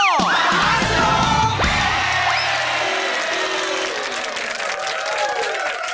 แย่